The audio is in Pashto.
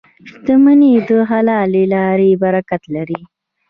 • شتمني د حلالې لارې برکت لري.